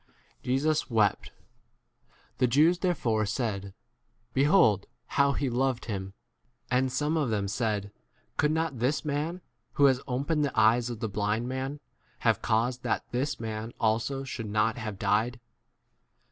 Jesus wept. 86 The Jews therefore said, Behold 3 ? how he loved him ! And some of them said, Could not this man, who has opened the eyes of the blind [man], have caused that this [man] also should not have 38 died